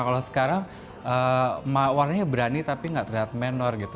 kalau sekarang warnanya berani tapi nggak terlihat menor gitu